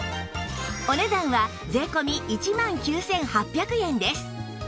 お値段は税込１万９８００円です